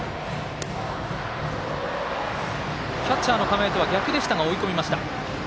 キャッチャーの構えとは逆でしたが、追い込みました。